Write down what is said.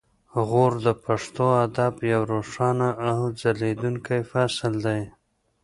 غور د پښتو ادب یو روښانه او ځلیدونکی فصل دی